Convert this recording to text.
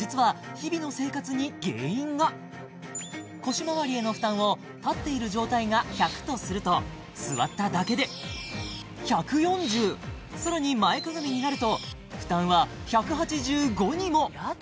実は日々の生活に原因が腰まわりへの負担を立っている状態が１００とすると座っただけで１４０さらに前かがみになると負担は１８５にも！